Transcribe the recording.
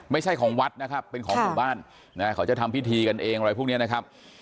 ไม่ใช่ของวัดนะครับเป็นของหมู่บ้านนะเขาจะทำพิธีกันเองอะไรพวกนี้นะครับ